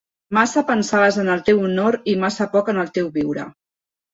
Massa pensaves en el teu honor i massa poc en el teu viure.